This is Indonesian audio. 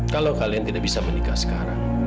kalau kalian tidak bisa menikah sekarang